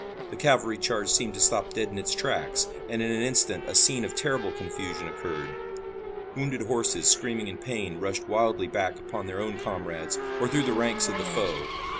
The cavalry charge seemed to stop dead in its tracks, and in an instant a scene of terrible confusion occurred. Wounded horses screaming in pain rushed wildly back upon their own comrades or through the ranks of the foe.